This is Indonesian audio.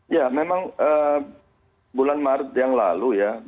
ya memang bulan maret yang lalu ya